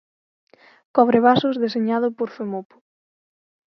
Cobrevasos deseñado por Femupo.